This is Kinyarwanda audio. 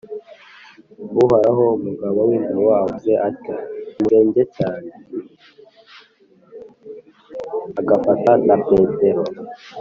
Agafata na Petero